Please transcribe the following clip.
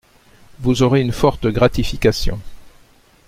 Vous aurez une forte gratification.